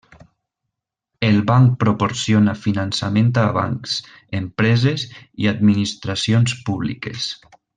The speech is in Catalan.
El banc proporciona finançament a bancs, empreses i administracions públiques.